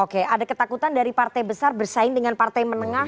oke ada ketakutan dari partai besar bersaing dengan partai menengah